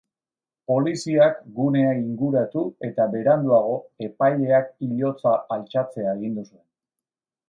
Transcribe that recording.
Poliziak gunea inguratu eta beranduago, epaileak hilotza altxatzea agindu zuen.